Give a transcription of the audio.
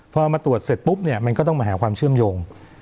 พอมาตรวจเสร็จปุ๊บเนี่ยมันก็ต้องมาหาความเชื่อมโยง